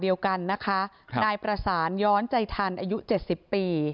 เมรันดาษฐานงามว่ากระหนดตรัสเล็กต์